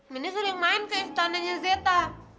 minya sering main ke istana zeta